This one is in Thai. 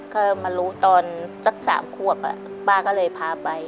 ก็มารู้ตอนสัก๓ขวบป้าก็เลยพาไป